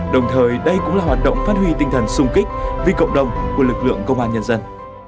đồng thời đây cũng là hoạt động phát huy tinh thần sung kích vì cộng đồng của lực lượng công an nhân dân